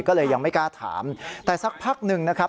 ก็เลยยังไม่กล้าถามแต่สักพักหนึ่งนะครับ